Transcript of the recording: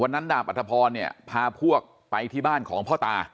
วันนั้นดาบอัฐพรพาพวกไปที่บ้านของพ่อตา